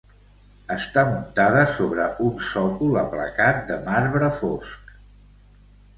Està muntada sobre un sòcol aplacat de marbre fosc.